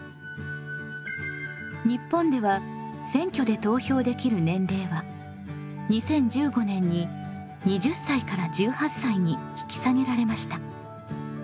日本では選挙で投票できる年齢は２０１５年に２０歳から１８歳に引き下げられました。